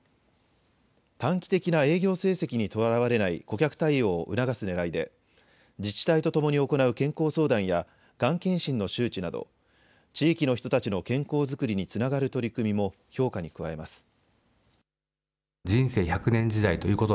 短期的な営業成績にとらわれない顧客対応を促すねらいで自治体とともに行う健康相談やがん検診の周知など地域の人たちの健康作りにつながる取り組みも評価に加えます。